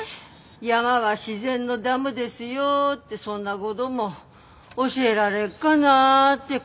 山は自然のダムですよってそんなごども教えられっかなって。